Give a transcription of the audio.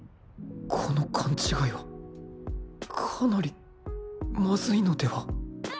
この勘違いはかなりまずいのでは